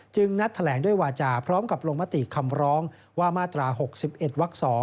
นัดแถลงด้วยวาจาพร้อมกับลงมติคำร้องว่ามาตรา๖๑วัก๒